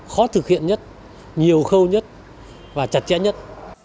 khó thực hiện nhất nhiều khâu nhất và chặt chẽ nhất